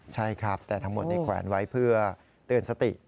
ใช่ครับแต่ทั้งหมดในแขวนไว้เพื่อเตือนสติ